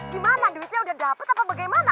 gimana duitnya udah dapet apa bagaimana